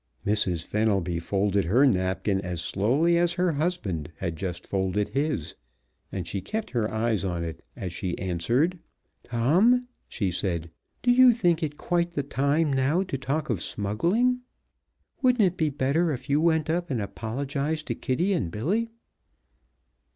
Mrs. Fenelby folded her napkin as slowly as her husband had just folded his, and she kept her eyes on it as she answered. "Tom," she said, "do you think it is quite the time now to talk of smuggling? Wouldn't it be better if you went up and apologized to Kitty and Billy?"